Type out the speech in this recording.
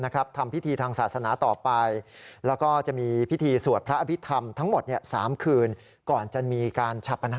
คุณผู้ชมค่ะ